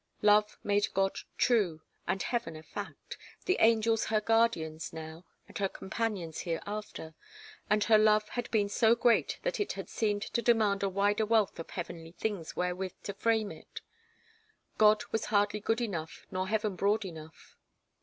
Love made God true, and heaven a fact, the angels her guardians now and her companions hereafter. And her love had been so great that it had seemed to demand a wider wealth of heavenly things wherewith to frame it. God was hardly good enough nor heaven broad enough.